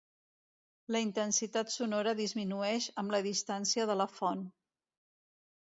La intensitat sonora disminuïx amb la distància de la font.